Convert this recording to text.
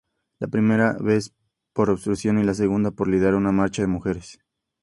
La primera vez por "obstrucción" y la segunda por liderar una marcha de mujeres.